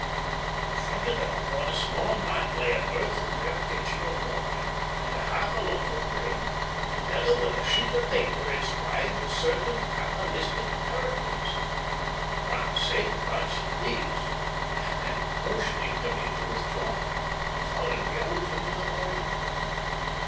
In front of them upon a small mat lay an earthenware pitcher of water and half a loaf of bread, together with a sheet of paper inscribed with certain cabalistic characters. Ram Singh glanced at these, and then, motioning to me to withdraw, followed me out into the garden.